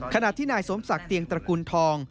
ขณะที่นายสมศักดิ์เตียงตระกุลทอง